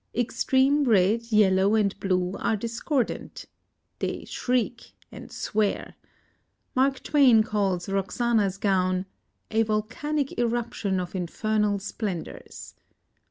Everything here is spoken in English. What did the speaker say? _ Extreme red, yellow, and blue are discordant. (They "shriek" and "swear." Mark Twain calls Roxana's gown "a volcanic eruption of infernal splendors.")